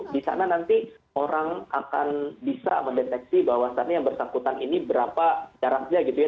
di sana nanti orang akan bisa mendeteksi bahwasannya yang bersangkutan ini berapa jaraknya gitu ya